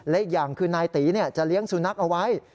และอีกอย่างคือนายตีจะเลี้ยงสุนัขเอาไว้